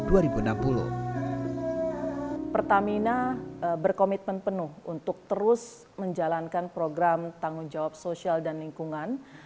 pertamina berkomitmen penuh untuk terus menjalankan program tanggung jawab sosial dan lingkungan